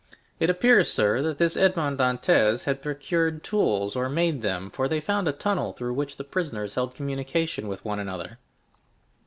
It appears, sir, that this Edmond Dantès had procured tools, or made them, for they found a tunnel through which the prisoners held communication with one another."